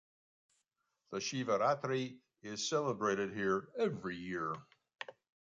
The Shivaratri is celebrated here every year.